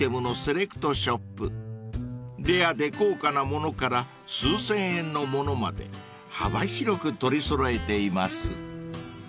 ［レアで高価なものから数千円のものまで幅広く取り揃えています］